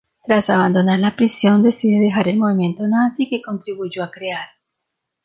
Tras abandonar la prisión, decide dejar el movimiento nazi que contribuyó a crear.